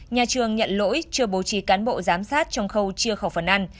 nhà trường nhận lỗi chưa bố trí cán bộ giám sát trong khâu chia khẩu phần ăn